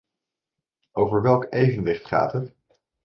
Over welk evenwicht gaat het?